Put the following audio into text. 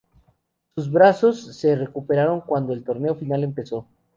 Sus brazos se recuperaron cuando el Torneo Final empezó.